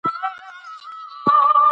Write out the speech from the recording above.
ایا ته د کامیابۍ لپاره خندېدل غواړې؟